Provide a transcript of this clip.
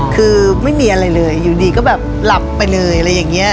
คือไม่มีอะไรเลยอยู่ดีก็แบบหลับไปเลยอะไรอย่างนี้